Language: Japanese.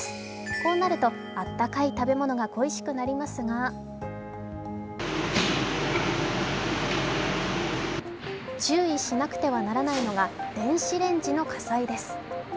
こうなると、あったかい食べ物が恋しくなりますが注意しなくてはならないのが電子レンジの火災です。